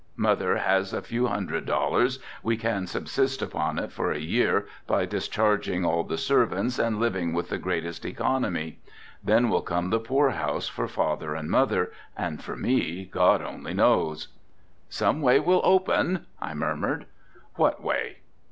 Mother has a few hundred dollars, we can subsist upon it for a year by discharging all the servants and living with the greatest economy. Then will come the poor house for father and mother, and for me God only knows." "Some way will open," I murmured. "What way?"